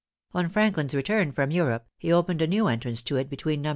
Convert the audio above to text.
On Franklin's return from Europe, he opened a new entrance to it between Nos.